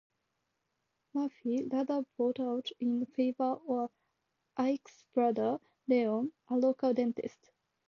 Murphy later bowed out in favor of Ike's brother, Leon, a local dentist.